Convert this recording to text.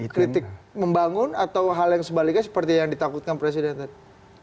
kritik membangun atau hal yang sebaliknya seperti yang ditakutkan presiden tadi